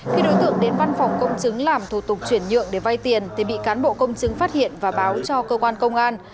khi đối tượng đến văn phòng công chứng làm thủ tục chuyển nhượng để vay tiền thì bị cán bộ công chứng phát hiện và báo cho cơ quan công an